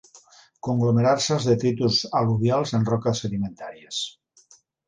Conglomerar-se els detritus al·luvials en roques sedimentàries.